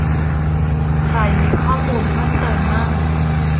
ใครมีข้อมูลเพิ่มเติมมั่ง